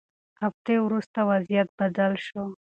هفتې وروسته وضعیت بدل شو.